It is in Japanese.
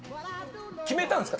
決めたんですか？